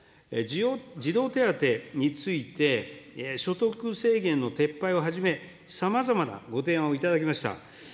児童手当について、所得制限の撤廃をはじめ、さまざまなご提案を頂きました。